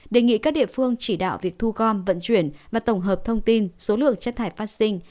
đề nghị các địa phương chỉ đạo việc thu gom vận chuyển và tổng hợp thông tin số lượng chất thải phát sinh